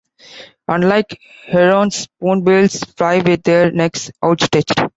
Unlike herons, spoonbills fly with their necks outstretched.